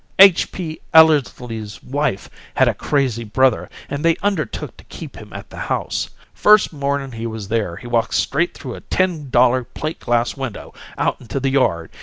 H. P. Ellersly's wife had a crazy brother, and they undertook to keep him at the house. First morning he was there he walked straight though a ten dollar plate glass window out into the yard.